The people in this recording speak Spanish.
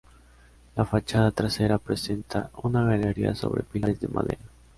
La fachada trasera presenta una galería sobre pilares de madera.